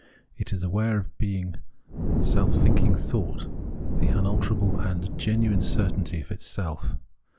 It is aware of being this arapa^la of self thinking thought, the unalterable and genuine certainty of its self.